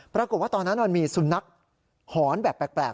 ปรากฏว่าตอนนั้นมันมีสุนัขหอนแบบแปลก